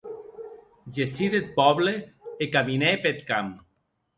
Gessí deth pòble e caminè peth camp.